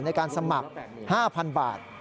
ในการสมัคร๕๐๐๐บาท